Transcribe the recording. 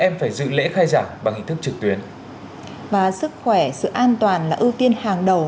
em phải dự lễ khai giảng bằng hình thức trực tuyến và sức khỏe sự an toàn là ưu tiên hàng đầu